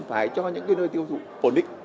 phải cho những nơi tiêu thụ ổn định